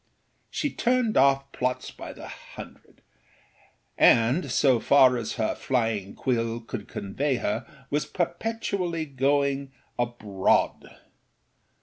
She turned off plots by the hundred andâso far as her flying quill could convey herâwas perpetually going abroad.